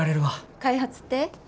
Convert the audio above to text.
開発って？